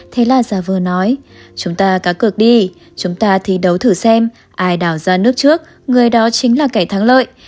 thế là giả vừa nói chúng ta cá cực đi chúng ta thi đấu thử xem ai đào ra nước trước người đó chính là kẻ thắng lợi